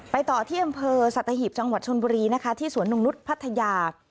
ไปต่อที่อำเภอสัตหิบจังหวัดชนบุรีที่สวนหนุ่มนุษย์พัทยา